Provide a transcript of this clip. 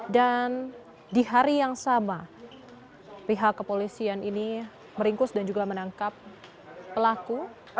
dan di hari yang sama pihak kepolisian ini meringkus dan juga menangkap pelaku